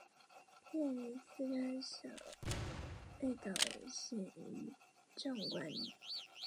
犬齿兽的演化可追溯到二叠纪的一群小型类似丽齿兽的兽孔目。